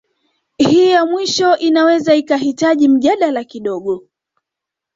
Hii ya mwisho inaweza ikahitaji mjadala kidogo